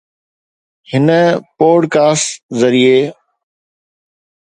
هن podcast ذريعي